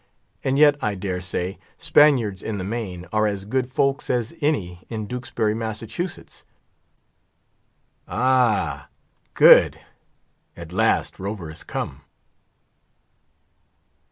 And yet, I dare say, Spaniards in the main are as good folks as any in Duxbury, Massachusetts. Ah good! At last "Rover" has come.